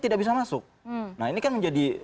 tidak bisa masuk nah ini kan menjadi